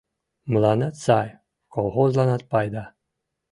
Мыланнат сай, колхозланат пайда».